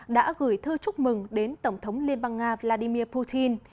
đã gửi thư chúc mừng đến tổng thống liên bang nga vladimir putin